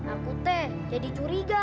aku teh jadi curiga